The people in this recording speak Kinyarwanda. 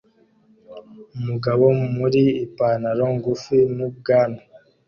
Umugabo muri Ipanaro ngufi n'ubwanwa